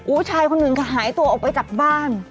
อู้วชายคนนึงขาดหายตัวออกไปจากบ้าน